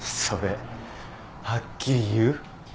それはっきり言う？